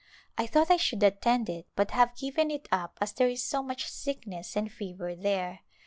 I thought I should attend it but have given it up as there is so much sickness and fever there.